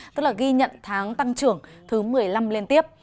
tức là ghi nhận tháng tăng trưởng thứ một mươi năm liên tiếp